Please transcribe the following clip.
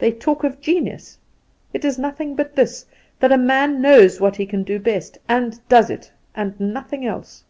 They talk of genius it is nothing but this, that a man knows what he can do best, and does it, and nothing else.